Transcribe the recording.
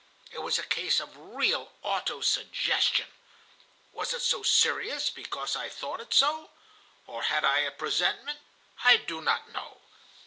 It was a case of real auto suggestion. Was it so serious because I thought it so? Or had I a presentiment? I do not know.